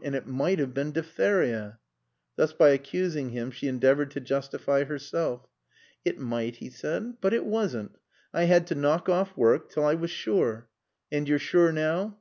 And it might have been diphtheria." Thus by accusing him she endeavored to justify herself. "It might," he said, "but it wasn't. I had to knock off work till I was sure." "And you're sure now?"